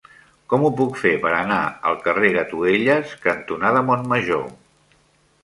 Com ho puc fer per anar al carrer Gatuelles cantonada Montmajor?